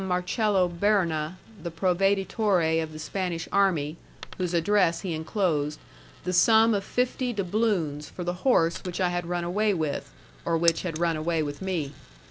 Marcello Birna, the proveditore of the Spanish army, whose address he enclosed, the sum of fifty doubloons for the horse which I had run away with, or which had run away with me.